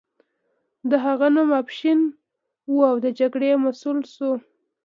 د هغه نوم افشین و او د جګړې مسؤل شو.